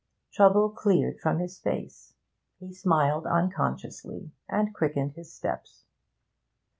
Trouble cleared from his face; he smiled unconsciously and quickened his steps.